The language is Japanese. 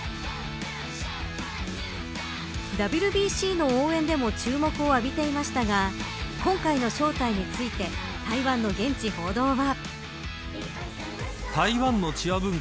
ＷＢＣの応援でも注目を浴びていましたが今回の招待について台湾の現地報道は。